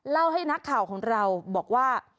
เล่าให้นักข่าวของเราบอกว่า